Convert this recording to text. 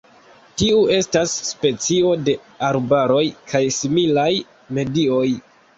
Tiu estas specio de arbaroj kaj similaj medioj.